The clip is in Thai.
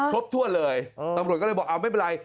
ครบถ้วนเลยตำรวจก็เลยบอกเอาไม่เป็นไร